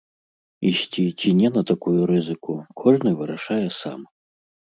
Ісці ці не на такую рызыку, кожны вырашае сам.